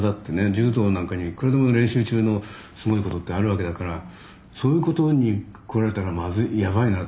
柔道なんかにはいくらでも練習中のすごいことってあるわけだからそういうことにこられたらまずいやばいなあとか思ってたり。